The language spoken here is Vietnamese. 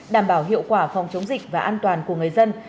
đảm bảo hiệu quả phòng chống dịch và an toàn của người dân